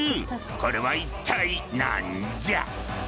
これは一体何じゃ？